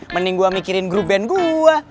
mending gue mikirin grup band gue